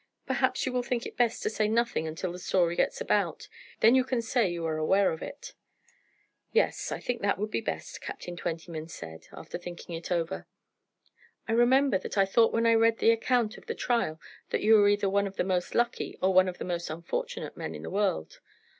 Perhaps you will think it best to say nothing until the story gets about. Then you can say you are aware of it." "Yes, I think that would be the best," Captain Twentyman said, after thinking it over. "I remember that I thought when I read the account of that trial that you were either one of the most lucky or one of the most unfortunate men in the world.